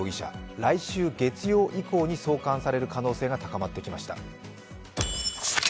来週月曜以降に送還される可能性が高まってきました。